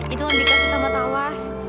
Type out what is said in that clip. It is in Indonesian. itu yang dikasih sama takwas